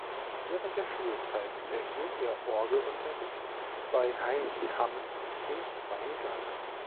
Während der Schulzeit erhielt er Orgelunterricht bei Heinrich Hamm in Weingarten.